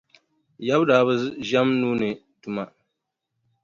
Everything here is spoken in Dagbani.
Yaba daa bi ʒɛm nuu ni tuma.